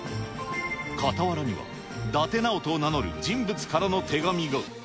かたわらには伊達直人を名乗る人物からの手紙が。